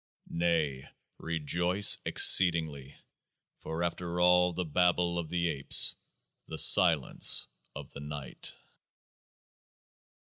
Nay, rejoice exceedingly ; for after all the babble of the apes the Silence of the Night.